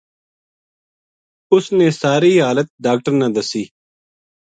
اس نے ساری حالت ڈاکٹر نا دسی